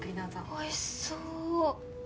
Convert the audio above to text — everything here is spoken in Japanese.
おいしそう。